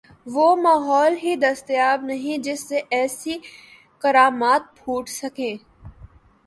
وہ ماحول ہی دستیاب نہیں جس سے ایسی کرامات پھوٹ سکیں۔